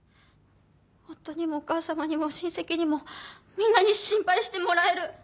夫にもお母さまにも親戚にもみんなに心配してもらえる。